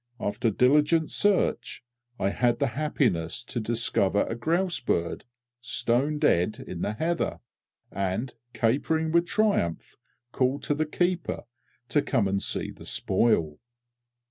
After diligent search, I had the happiness to discover a grouse bird, stone dead, in the heather, and, capering with triumph, called to the keeper to come and see the spoil.